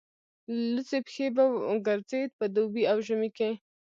لوڅې پښې به ګرځېد په دوبي او ژمي کې.